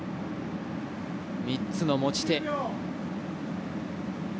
３つの持ち手。